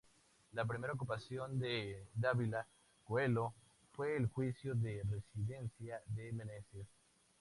La primera ocupación de Dávila Coello fue el juicio de residencia de Meneses.